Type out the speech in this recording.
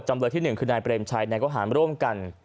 จำเลยที่๑คือนายเปรมชัยก็ร่วมกัน